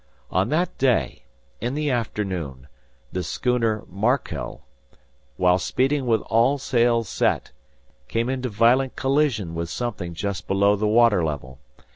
On that day, in the afternoon, the schooner 'Markel' while speeding with all sails set, came into violent collision with something just below the water level.